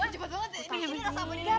cepet banget ini rasam